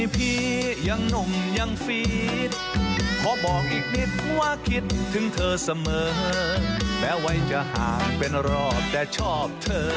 โปรดติดตามติดตาม